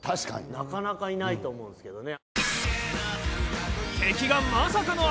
なかなかいないと思うんすけどね。